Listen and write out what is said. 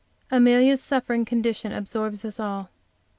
Amelia's suffering condition absorbs us all.